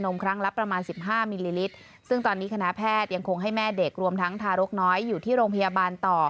มครั้งละประมาณสิบห้ามิลลิลิตรซึ่งตอนนี้คณะแพทย์ยังคงให้แม่เด็กรวมทั้งทารกน้อยอยู่ที่โรงพยาบาลต่อ